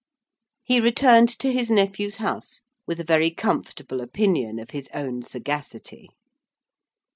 He returned to his nephew's house with a very comfortable opinion of his own sagacity.